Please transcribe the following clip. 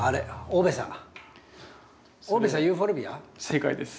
オベサユーフォルビア？正解です。